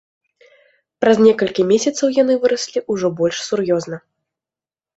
Праз некалькі месяцаў яны выраслі ўжо больш сур'ёзна.